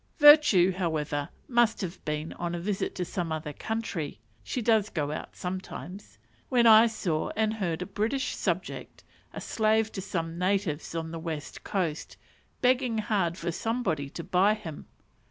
Virtue, however, must have been on a visit to some other country (she does go out sometimes), when I saw and heard a British subject, a slave to some natives on the West Coast, begging hard for somebody to buy him.